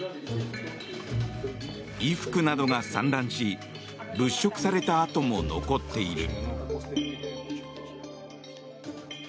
衣服などが散乱し物色された跡も残っている。